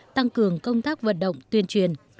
tăng cường công tác vận động tuyên truyền